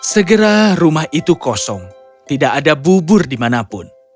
segera rumah itu kosong tidak ada bubur dimanapun